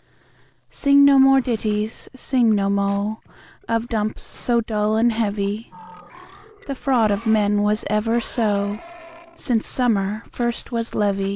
Sing no more ditties, sing no mo, Or dumps so dull and heavy; The fraud of men was ever so, Since summer first was leavy.